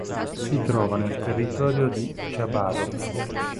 Si trova nel Territorio di Chabarovsk.